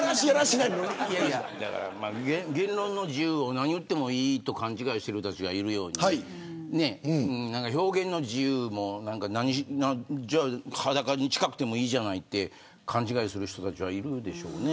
言論の自由を何言ってもいいと勘違いする人がいるように表現の自由も裸に近くてもいいじゃないと勘違いする人たちがいるでしょうね。